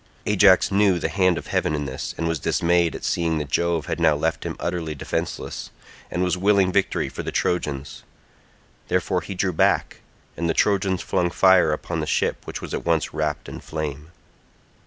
Ajax knew the hand of heaven in this, and was dismayed at seeing that Jove had now left him utterly defenceless and was willing victory for the Trojans. Therefore he drew back, and the Trojans flung fire upon the ship which was at once wrapped in flame.